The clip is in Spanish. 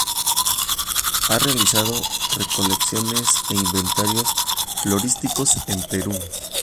Ha realizado recolecciones e inventarios florísticos en Perú.